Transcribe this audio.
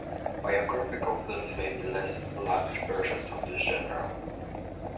Biographical films may be less lavish versions of this genre.